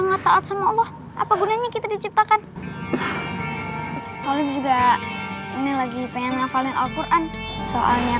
enggak taat sama allah apa gunanya kita diciptakan tolip juga ini lagi pengen ngafalin alquran soalnya